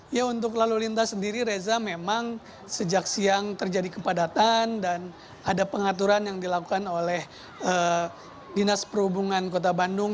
ya untuk lalu lintas sendiri reza memang sejak siang terjadi kepadatan dan ada pengaturan yang dilakukan oleh dinas perhubungan kota bandung